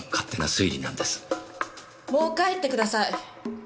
もう帰ってください！